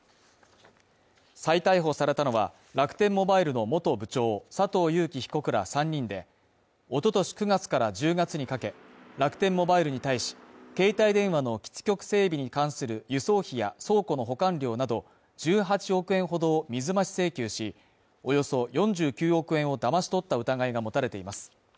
再逮捕されたのは、楽天モバイルの元部長佐藤友紀被告ら３人で、おととし９月から１０月にかけ楽天モバイルに対し、携帯電話の基地局整備に関する輸送費や倉庫の保管料など１８億円ほどを水増し請求し、およそ４９億円をだまし取った疑いが持たれています。